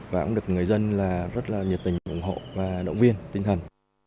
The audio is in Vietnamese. và cũng được người dân rất là nhiệt tình ủng hộ và động viên tinh thần